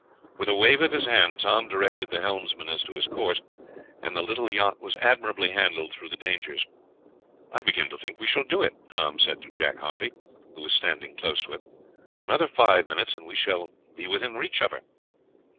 With a wave of his hand Tom directed the helmsman as to his course, and the little yacht was admirably handled through the dangers. "I begin to think we shall do it," Tom said to Jack Harvey, who was standing close to him. "Another five minutes and we shall be within reach of her."